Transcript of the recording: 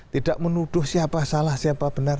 tidak menuduh siapa salah siapa benar